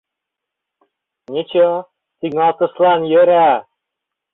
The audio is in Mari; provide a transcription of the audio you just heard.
— Ничо, тӱҥалтышлан йӧра.